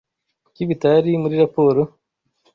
Kuki bitari muri raporo?